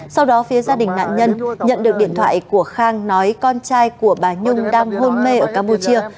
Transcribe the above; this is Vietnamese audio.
sau đó phía gia đình nạn nhân nhận được điện thoại của khang nói con trai của bà nhung đang hôn mê ở campuchia